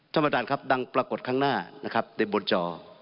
ท่านประธานครับดังปรากฏข้างหน้านะครับในบนจอ